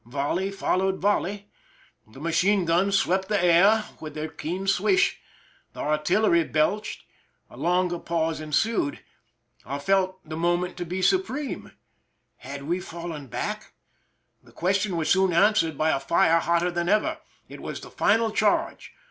Volley followed volley. The machine guns swept the air with their keen swish. The artillery belched. A longer pause ensued. I felt the mo ment to be supreme. Had we fallen back? The question was soon answered by fire hotter than ever. It was the final charge.